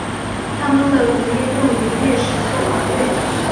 它们的毒液用于猎食或防卫。